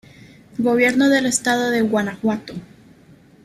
Gobierno del Estado de Guanajuato.